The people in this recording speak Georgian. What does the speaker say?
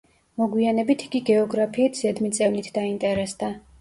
მოგვიანებით იგი გეოგრაფიით ზედმიწევნით დაინტერესდა.